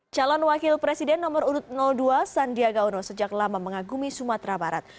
calon wakil presiden nomor urut dua sandiaga uno sejak lama mengagumi sumatera barat